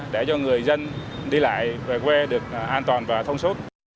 để cho người dân đi lại về quê được an toàn và thông suốt